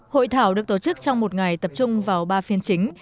hội thảo được tổ chức trong một ngày tập trung vào ba phiên chính